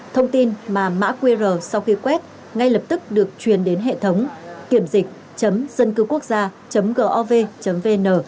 thông tin mà mã qr sau khi quét ngay lập tức được truyền đến hệ thống kiểm dịch dâncưuquốcgia gov vn